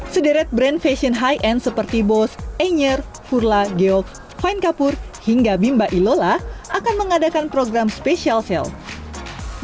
sederet brand fashion high end seperti bose enyer furla geog finekapur hingga bimba ilola akan mengadakan program special sale